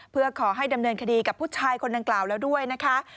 เพื่อขอให้ดำเนินคดีกับผู้ชายคนดังกล่าวแล้วด้วยนะคะ